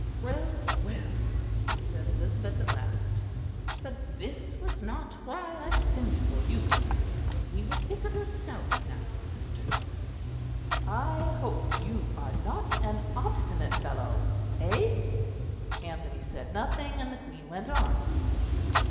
"Well, well," said Elizabeth at last, "but this was not why I sent for you. We will speak of yourself now, Mr. Norris. I hope you are not an obstinate fellow. Eh?" Anthony said nothing, and the Queen went on.